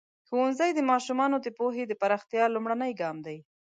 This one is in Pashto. ښوونځی د ماشومانو د پوهې د پراختیا لومړنی ګام دی.